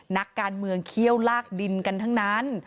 นักการเมืองเขี้ยวลากดินกันทั้งนั้น